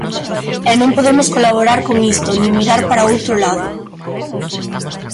E non podemos colaborar con isto, nin mirar para outro lado.